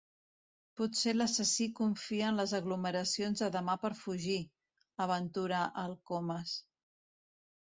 Potser l'assassí confia en les aglomeracions de demà per fugir — aventura el Comas.